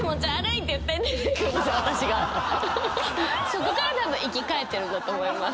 そこからたぶん生き返ってるんだと思います。